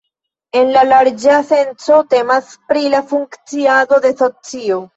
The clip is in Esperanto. En la larĝa senco temas pri la funkciado de socio.